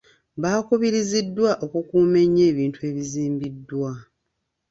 Baakubiriziddwa okukuuma ennyo ebintu ebizimbiddwa.